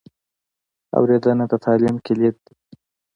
اورېدنه د تعلیم کلید دی.